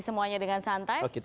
semuanya dengan santai